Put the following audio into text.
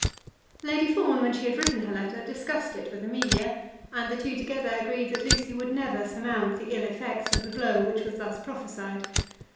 Lady Fawn, when she had written her letter, discussed it with Amelia, and the two together agreed that Lucy would never surmount the ill effects of the blow which was thus prophesied.